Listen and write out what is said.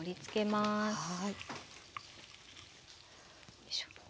よいしょ。